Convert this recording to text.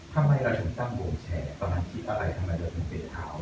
ทำไมเราถึงตั้งวงแชตอนที่อะไรทำไมเราถึงเปลี่ยนเท้า